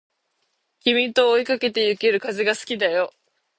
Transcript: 君と追いかけてゆける風が好きだよ